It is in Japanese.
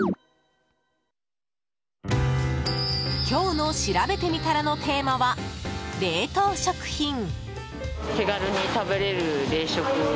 今日のしらべてみたらのテーマは冷凍食品！